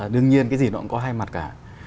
đương nhiên cái gì nó cũng có hai mặt cả